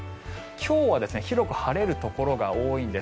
今日は広く晴れるところが多いんです。